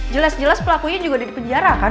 jelas jelas pelakunya juga ada di penjara kan